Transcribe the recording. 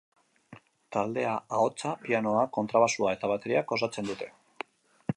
Taldea ahotsa, pianoa, kontrabaxua eta bateriak osatzen dute.